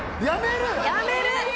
やめる？え！